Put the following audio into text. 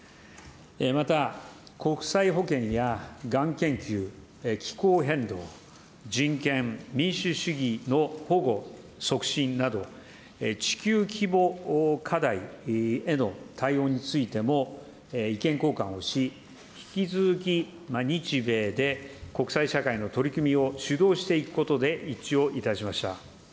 また国際保健や、がん研究、気候変動、人権、民主主義の保護、促進など、地球規模課題への対応についても意見交換をし、引き続き日米で国際社会の取り組みを主導していくことで一致をいたしました。